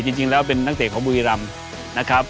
จริงแล้วเป็นนักเตะของบุรีรำนะครับ